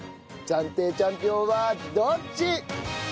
暫定チャンピオンはどっち！？